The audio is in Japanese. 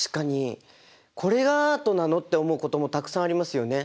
「これがアートなの？」って思うこともたくさんありますよね。